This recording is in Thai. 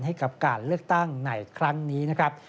ให้กับการเลือกตั้งในครั้งนี้นะครับ